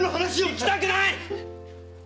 聞きたくない！